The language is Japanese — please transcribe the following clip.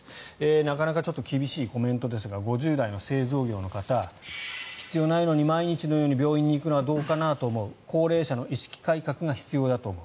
なかなか厳しいコメントですが５０代の製造業の方必要ないのに毎日のように病院に行くのはどうかなと思う高齢者の意識改革が必要だと思う。